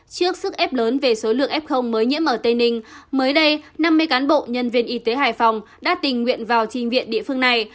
trước sức ép lớn về số lượng f mới nhiễm ở tây ninh mới đây năm mươi cán bộ nhân viên y tế hải phòng đã tình nguyện vào chinh viện địa phương này